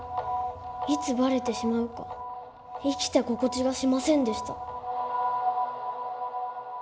いつばれてしまうか生きた心地がしませんでした。